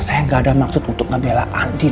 saya gak ada maksud untuk ngebela andi